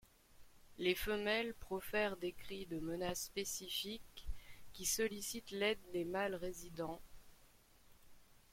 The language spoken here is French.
Les femelles profèrent des cris de menace spécifiques qui sollicitent l’aide des mâles résidents.